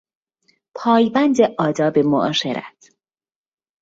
پایبند آداب معاشرت